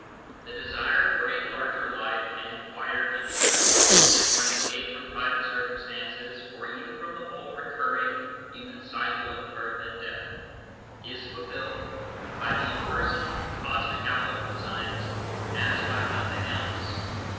The desire for a larger life and wider interests, for an escape from private circumstances, and even from the whole recurring human cycle of birth and death, is fulfilled by the impersonal cosmic outlook of science as by nothing else.